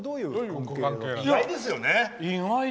意外ですよね。